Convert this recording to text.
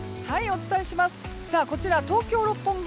こちら、東京・六本木。